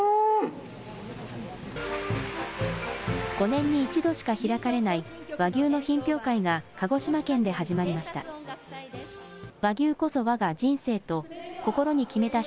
５年に１度しか開かれない和牛の品評会が鹿児島県で始まりました。